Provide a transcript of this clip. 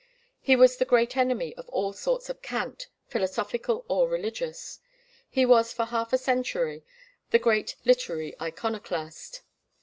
He was the great enemy of all sorts of cant, philosophical or religious. He was for half a century the great literary iconoclast.